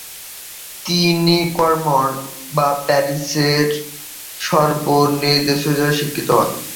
তিনি ক্লারমন্ট এবং প্যারিসের সরবোনে জেসুইটদের দ্বারা শিক্ষিত হন।